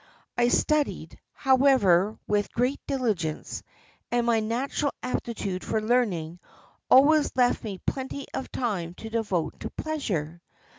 I studied, however, with great diligence, and my natural aptitude for learning always left me plenty of time to devote to pleasure.